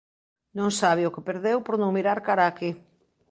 Non sabe o que perdeu por non mirar cara a aquí!